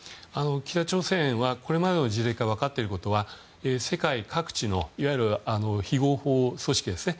北朝鮮はこれまでの事例から分かっていることは世界各地のいわゆる非合法組織ですね。